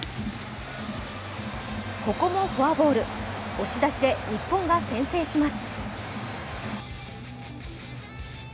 ここもフォアボール、押し出しで日本が先制します。